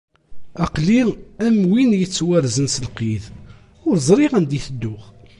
Aql-i am win yettwarzen s lqid ur ẓriɣ anda i tedduɣ.